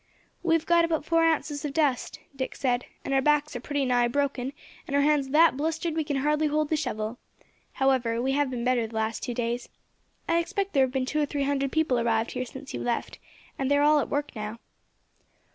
"We have got about four ounces of dust," Dick said, "and our backs are pretty nigh broken, and our hands that blistered we can hardly hold the shovel. However, we have been better the last two days. I expect there have been two or three hundred people arrived here since you left, and they are all at work now."